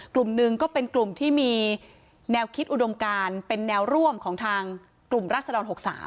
กลุ่มหนึ่งก็เป็นกลุ่มที่มีแนวคิดอุดมการเป็นแนวร่วมของทางกลุ่มรัศดร๖๓